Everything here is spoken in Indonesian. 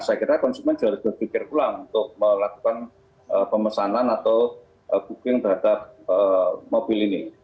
saya kira konsumen juga harus berpikir ulang untuk melakukan pemesanan atau booking terhadap mobil ini